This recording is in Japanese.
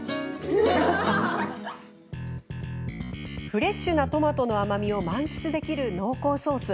フレッシュなトマトの甘みを満喫できる濃厚ソース。